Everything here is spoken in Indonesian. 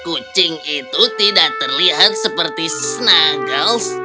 kucing itu tidak terlihat seperti snuggles